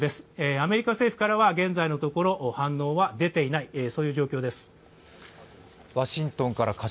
アメリカ政府からは現在のところ反応は出ていない状況です。